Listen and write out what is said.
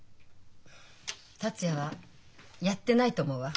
達也はやってないと思うわ。